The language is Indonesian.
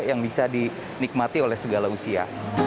yang bisa dinikmati oleh segala usia